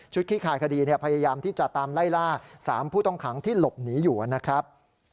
ขี้คายคดีพยายามที่จะตามไล่ล่า๓ผู้ต้องขังที่หลบหนีอยู่นะครับ